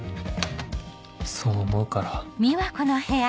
そう思うから